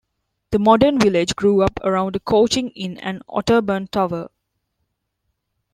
The modern village grew up around a coaching inn and Otterburn Tower.